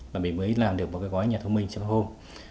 là mình mới làm được một cái gói nhà thông minh chứ không